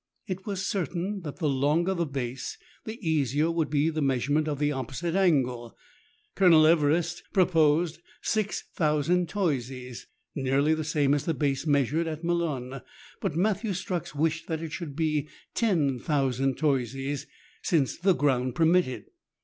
It was certain that the longer the base, the easier would be the measurement of the opposite angle. Colonel Everest proposed 6000 toises, nearly the same as the base measured at Melun ; but Matthew Strux wished that it should be 10,000 toises, since the ground permitted.